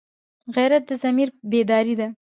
غیرت د ضمیر بیداري ده